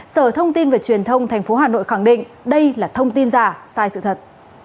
sở thông tin và truyền thông tp hà nội khẳng định đây là thông tin giả sai sự thật